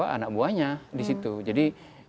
anak buahnya di situ jadi